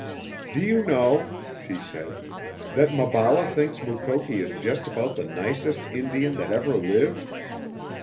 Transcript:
"Do you know," she said, "that Maballa thinks Mukoki is just about the nicest Indian that ever lived?